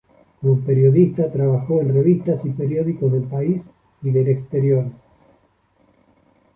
Como periodista trabajó en revistas y periódicos del país y del exterior.